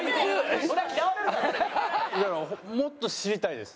いやもっと知りたいです